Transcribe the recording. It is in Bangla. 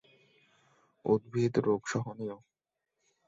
উদ্ভিদ রোগ-সহনীয়।